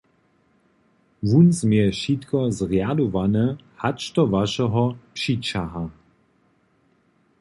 Wón změje wšitko zrjadowane hač do wašeho přićaha.